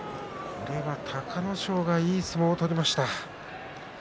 これは隆の勝がいい相撲を取りました。